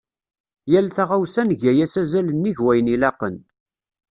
Yal taɣawsa nga-as azal nnig wayen ilaqen.